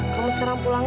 kamu sekarang pulang ya